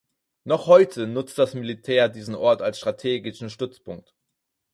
Noch heute nutzt das Militär diesen Ort als strategischen Stützpunkt.